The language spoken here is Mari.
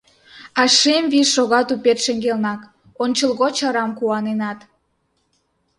А Шем Вий шога тупет шеҥгелнак — Ончылгоч арам куаненат!